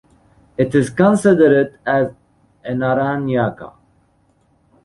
It is considered as an Aranyaka.